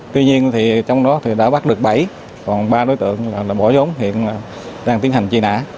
tuy nhiên thì trong đó thì đã bắt được bảy còn ba đối tượng là bỏ xuống hiện đang tiến hành tri nã